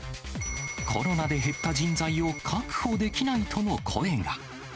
コロナで減った人材を確保できないとの声が。